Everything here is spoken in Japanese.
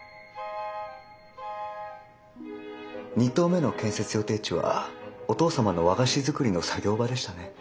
２棟目の建設予定地はお父様の和菓子作りの作業場でしたね。